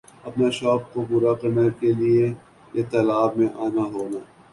اپنا شوق کوپورا کرنا کا لئے یِہ تالاب میں آنا ہونا